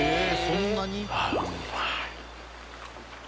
そんなに？